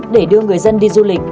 để đưa người dân đi du lịch